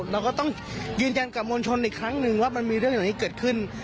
เราก็ต้องยืนยันกับมวลชนอีกครั้งหนึ่งว่ามันมีเรื่องเหล่านี้เกิดขึ้น